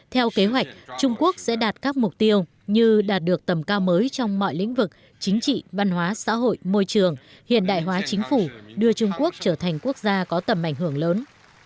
theo kế hoạch trung quốc sẽ đạt các mục tiêu như đạt được tầm cao mới trong mọi lĩnh vực chính trị văn hóa xã hội môi trường hiện đại hóa chính phủ đưa trung quốc trở thành quốc gia có tầm ảnh hưởng lớn